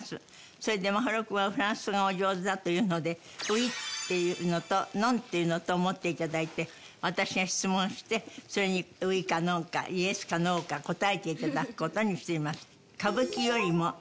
それで眞秀君はフランス語がお上手だというので「Ｏｕｉ」っていうのと「Ｎｏｎ」っていうのと持って頂いて私が質問してそれにウイかノンかイエスかノーか答えて頂く事にします。